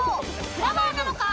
［『フラワー』なのか？